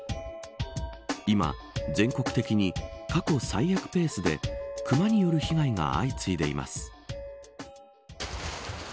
今、全国的に過去最悪ペースで熊による被害が相次いでいます。